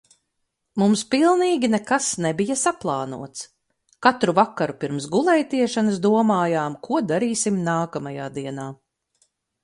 Mums pilnīgi nekas nebija saplānots. Katru vakaru pirms gulētiešanas domājām, ko darīsim nākamajā dienā.